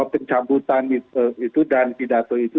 pencabutan itu dan pidato itu